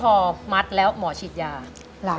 อเรนนี่คือเหตุการณ์เริ่มต้นหลอนช่วงแรกแล้วมีอะไรอีก